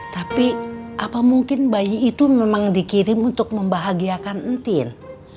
tapi apa mungkin bayi itu memang dikirim untuk membahagiakan entil